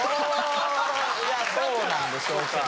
いやそうなんでしょうけど。